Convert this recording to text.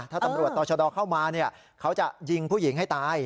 ถ้าตำรวจต่อชะดอเข้ามาเขาจะยิงผู้หญิงให้ตาย